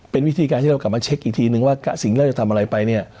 เป็นวิธีการที่เรากลับมาเช็คอีกทีนึงว่าสิ่งแรกจะทำอะไรไปเนี่ย